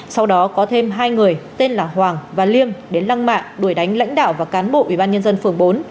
sau đó có thêm hai người tên là hoàng và liêm đến lăng mạ đuổi đánh lãnh đạo và cán bộ ubnd phường bốn